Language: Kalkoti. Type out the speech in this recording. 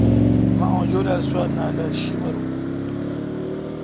مہ اوں جولال سُونالا شیمروں۔